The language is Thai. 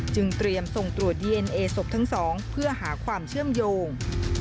เตรียมส่งตรวจดีเอ็นเอศพทั้งสองเพื่อหาความเชื่อมโยง